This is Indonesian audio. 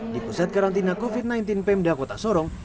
di pusat karantina covid sembilan belas pemda kota sorong